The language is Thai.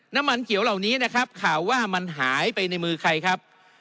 น้ำมันเขียวเหล่านี้นะครับข่าวว่ามันหายไปในมือใครครับ